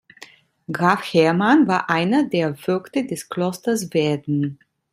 Graf Hermann war einer der Vögte des Klosters Werden.